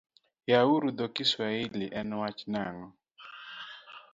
Yawa uru dho Kiswahili en wacho nang'o?